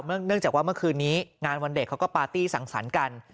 เนื่องจากว่าเมื่อคืนนี้งานวันเด็กเขาก็ปาร์ตี้สังสรรค์กัน